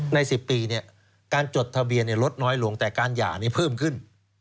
ใน๑๐ปีเนี่ยการจดทะเบียนเนี่ยลดน้อยลงแต่การยาเนี่ยเพิ่มขึ้น